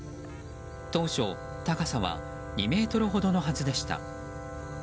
当初、高さは２ｍほどのはずでした。